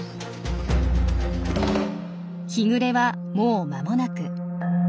日暮れはもう間もなく。